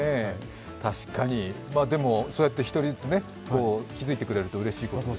でも、そうやって一人ずつ気づいてくれるとうれしいことで。